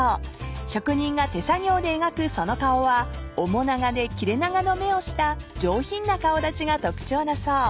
［職人が手作業で描くその顔は面長で切れ長の目をした上品な顔立ちが特徴だそう］